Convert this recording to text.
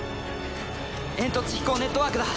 煙突飛行ネットワークだ